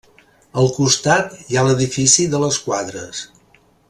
Al costat hi ha l'edifici de les quadres.